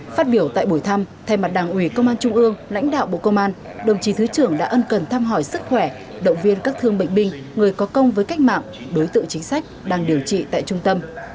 phát biểu tại buổi thăm thay mặt đảng ủy công an trung ương lãnh đạo bộ công an đồng chí thứ trưởng đã ân cần thăm hỏi sức khỏe động viên các thương bệnh binh người có công với cách mạng đối tượng chính sách đang điều trị tại trung tâm